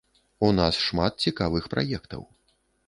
У нас шмат цікавых праектаў.